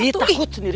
ih takut sendiri